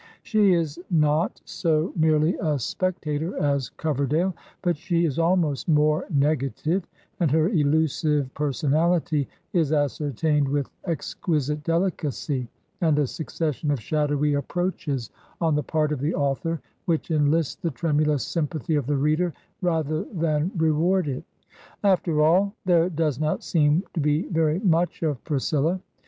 She is not so merely a spectator as Coverdale, but she is almost more negative, and her elusive personality is ascertained with exquisite delicacy and a succession of shadowy aj> proaches on the part of the author which enlist the tremulous sympathy of the reader rather than reward it. After all, there does not seem to be very much of Pris cilla.